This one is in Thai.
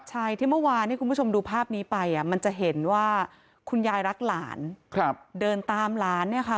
ใช่ที่เมื่อวานที่คุณผู้ชมดูภาพนี้ไปมันจะเห็นว่าคุณยายรักหลานเดินตามหลานเนี่ยค่ะ